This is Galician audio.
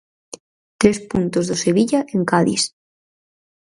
Tres puntos do Sevilla en Cádiz.